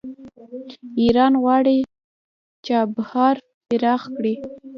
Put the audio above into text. ایران غواړي چابهار پراخ کړي.